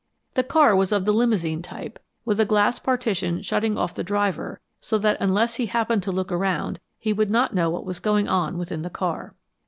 The car was of the limousine type, with a glass partition shutting off the driver so that unless he happened to look around he would not know what was going on within the car.